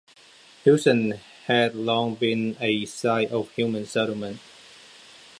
Houston had long been a site of human settlement.